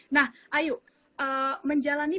nah ayu menjalani